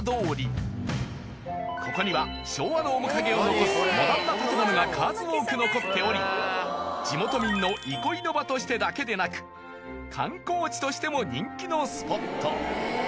ここには昭和の面影を残すモダンな建物が数多く残っており地元民の憩いの場としてだけでなく観光地としても人気のスポット